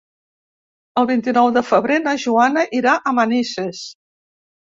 El vint-i-nou de febrer na Joana irà a Manises.